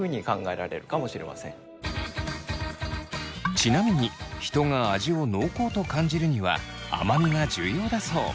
ちなみに人が味を濃厚と感じるには甘味が重要だそう。